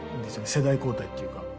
世代交代っていうか。